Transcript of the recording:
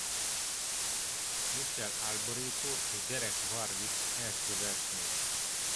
Michele Alboreto és Derek Warwick első versenye.